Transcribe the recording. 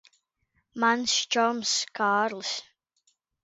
Mans čoms Kārlis.